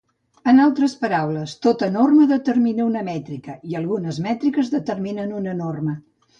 En altres paraules, tota norma determina una mètrica, i algunes mètriques determinen una norma.